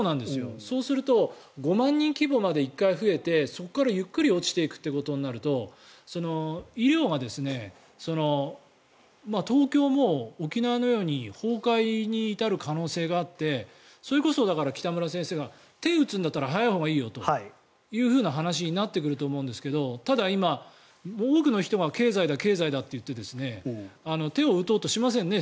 そうなると５万人規模まで増えてそこからゆっくり落ちていくということになると医療が東京も沖縄のように崩壊に至る可能性があってそれこそ北村先生が手を打つんだったら早いほうがいいよという話になってくると思うんだけどただ今、多くの人が経済だ、経済だって言って手を打とうとしませんね。